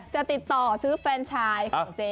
จะติดต่อซื้อแฟนชายของเจ๊